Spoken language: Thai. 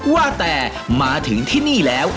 ว่าแต่มาถึงที่นี่แล้ว